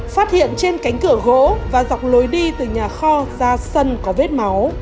phát hiện trên cánh cửa gỗ và dọc lối đi từ nhà kho ra sân có vết máu